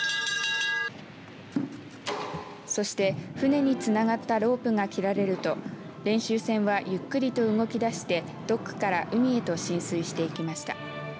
そして船につながったロープが切られると練習船はゆっくりと動き出してドッグから海へと進水していきました。